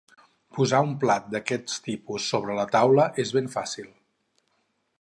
Posar un plat d'aquest tipus sobre la taula és ben fàcil.